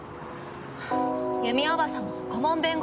由美おば様の顧問弁護士から。